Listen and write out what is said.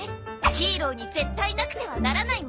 ヒーローに絶対なくてはならないもの。